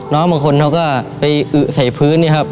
น้องบางคนเขาก็ไปอึใส่พื้นเนี่ยครับ